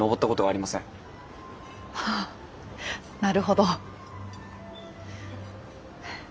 ああなるほど。